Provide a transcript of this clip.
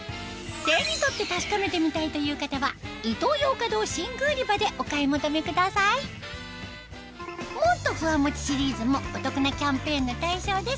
手に取って確かめてみたいという方はでお買い求めくださいＭｏｔｔｏＦｕｗａＭｏｃｈｉシリーズもお得なキャンペーンの対象です